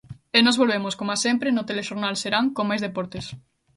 E nós volvemos, coma sempre, no Telexornal Serán con máis deportes.